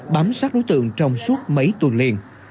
bám sát đối tượng trong suốt mấy tuần liền